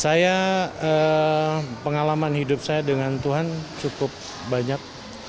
saya pengalaman hidup saya dengan tuhan cukup banyak